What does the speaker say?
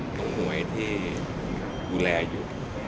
ของหวยที่ดูแลอยู่